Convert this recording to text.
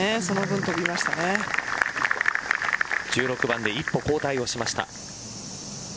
１６番で一歩後退をしました。